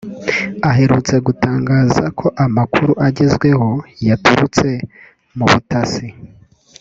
aherutse gutangaza ko amakuru agezwaho yaturutse mu butasi